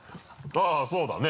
あっそうだね。